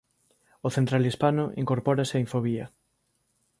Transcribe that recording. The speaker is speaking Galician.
O Central Hispano incorpórase a Infovía